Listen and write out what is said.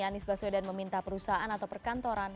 anies baswedan meminta perusahaan atau perkantoran